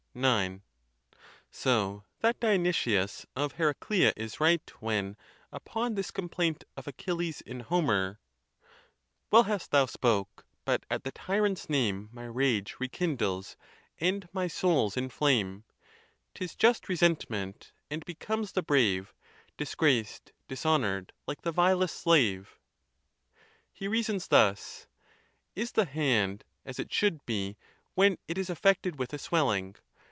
IX. So that Dionysius of Heraclea is right when, upon this complaint of Achilles in Homer, Well hast thou spoke, but at the tyrant's name My rage rekindles, and my soul's in flame: "Tis just resentment, and becomes the brave, Disgraced, dishonor'd like the vilest slave'— he reasons thus: Is the hand as it should be, when it is affected with a swelling?